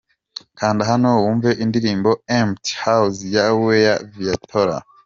Kanda hano wumve indirimbo’ Empty house ya Weya Viatora .